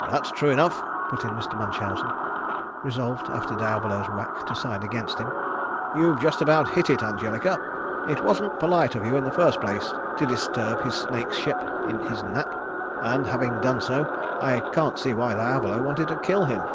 "That's true enough," put in Mr. Munchausen, resolved after Diavolo's whack, to side against him. "You've just about hit it, Angelica. It wasn't polite of you in the first place, to disturb his snakeship in his nap, and having done so, I can't see why Diavolo wanted to kill him."